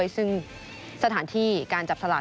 ซึ่งสถานที่การจับสลาก